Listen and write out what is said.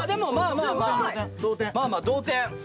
まあまあ同点。